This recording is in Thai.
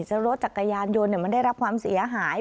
เจ้ารถจากกายานยนต์เนี่ยมันได้รับความเสียหาย